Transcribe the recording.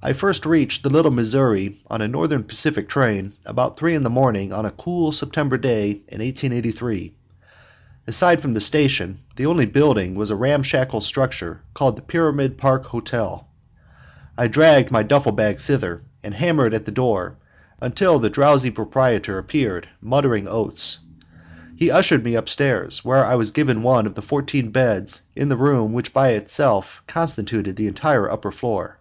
I first reached the Little Missouri on a Northern Pacific train about three in the morning of a cool September day in 1883. Aside from the station, the only building was a ramshackle structure called the Pyramid Park Hotel. I dragged my duffle bag thither, and hammered at the door until the frowsy proprietor appeared, muttering oaths. He ushered me upstairs, where I was given one of the fourteen beds in the room which by itself constituted the entire upper floor.